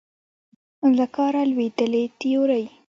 له کاره لوېدلې تیورۍ